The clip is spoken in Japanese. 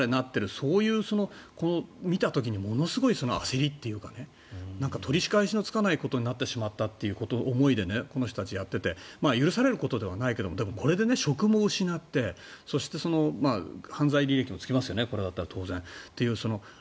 そういうのを見た時にものすごい焦りというか取り返しのつかないことになってしまったという思いでこの人たちはやっていて許されることではないけどこれで職も失ってそして、犯罪履歴もこれだったら当然つきますよね。